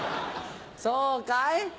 そうかい？